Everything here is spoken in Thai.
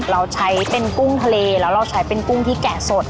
เราใช้เป็นกุ้งทะเลแล้วเราใช้เป็นกุ้งที่แกะสด